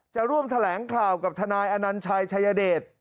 จะร่วมแถลงข่าวกับทนายอนัญชัยชายเดช